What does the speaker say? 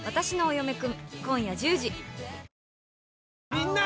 みんな！